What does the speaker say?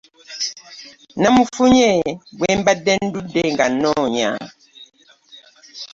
Namufunye gwe mbadde ndudde nga nnoonya.